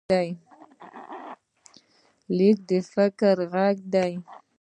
لیک د فکر غږ دی.